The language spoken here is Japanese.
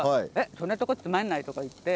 そんなとこつまんない」とか言って。